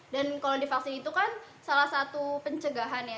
dan kalau divaksin itu kan salah satu pencegahan ya